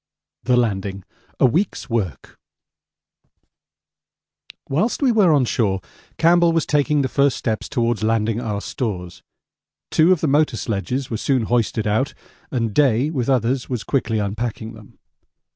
The Landing: A Week's Work Whilst we were on shore Campbell was taking the first steps towards landing our stores. Two of the motor sledges were soon hoisted out, and Day with others was quickly unpacking them.